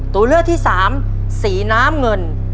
ตัวเลือกที่สามสีน้ำเงิน